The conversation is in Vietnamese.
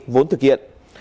vốn thực hiện